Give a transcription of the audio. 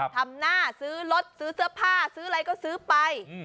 ทำหน้าซื้อรถซื้อเสื้อผ้าซื้ออะไรก็ซื้อไป